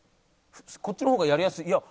こっちの方がやりやすいいや。